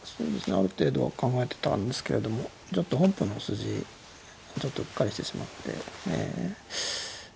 ある程度は考えてたんですけれどもちょっと本譜の筋ちょっとうっかりしてしまって。